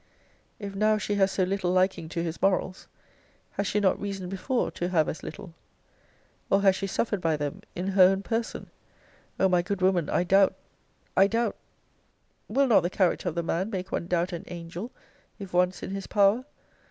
If now she has so little liking to his morals, has she not reason before to have as little? Or has she suffered by them in her own person? O my good woman, I doubt I doubt Will not the character of the man make one doubt an angel, if once in his power?